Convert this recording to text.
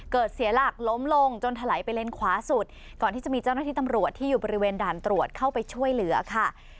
เสียหลักล้มลงจนถลายไปเลนขวาสุดก่อนที่จะมีเจ้าหน้าที่ตำรวจที่อยู่บริเวณด่านตรวจเข้าไปช่วยเหลือค่ะ